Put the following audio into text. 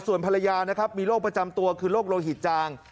ส่วนภรรยานะครับมีโรคประจำตัวคือโรคโลหิตจาง